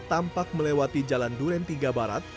tampak melewati jalan duren tiga barat